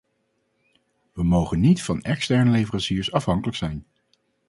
We mogen niet van externe leveranciers afhankelijk zijn.